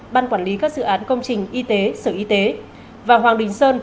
ban quản lý các dự án công trình y tế sở y tế và hoàng đình sơn